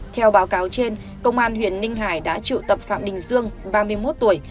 theo báo cáo trên công an huyện ninh hải đã triệu tập phạm đình dương ba mươi một tuổi